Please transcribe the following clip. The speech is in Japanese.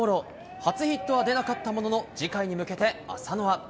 初ヒットは出なかったものの、次回に向けて浅野は。